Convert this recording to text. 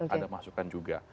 ada masukan juga